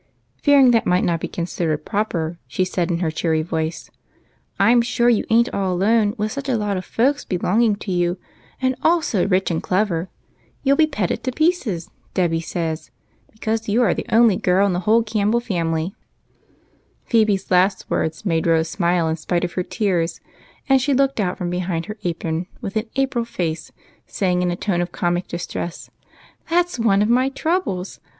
Fearing that might not be considered proper, she said, in her cheery voice, —" I 'm sure you ain't all alone with such a lot of folks belonging to you, and all so rich and clever. You '11 be petted to pieces, Debby says, because you are the only girl in the family." Phebe's last words made Rose smile in spite of her tears, and she looked out from behind her apron with an April face, saying in a tone of comic distress, —" That 's one of my troubles